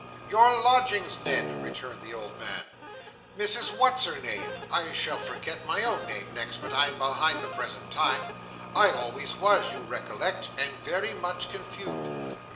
Your lodgings, Ned," returned the old man. "Mrs What's her name! I shall forget my own name next, but I am behind the present time—I always was, you recollect—and very much confused.